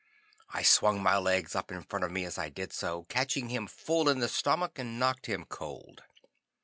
I swung my legs up in front of me as I did so, catching him full in the stomach and knocked him cold.